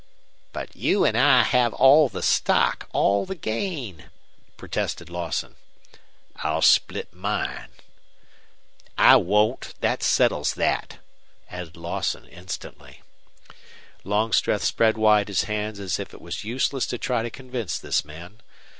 "But you and I have all the stock all the gain," protested Lawson. "I'll split mine." "I won't that settles that," added Lawson, instantly. Longstreth spread wide his hands as if it was useless to try to convince this man.